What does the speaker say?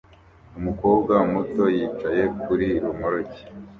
Umukobwa muto yicaye kuri romoruki